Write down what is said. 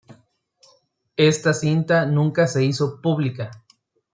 Esta cinta nunca se hizo pública.